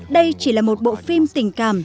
đây chỉ là một bộ phim tình cảm